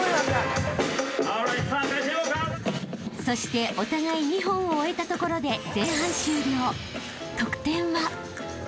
［そしてお互い２本を終えたところで］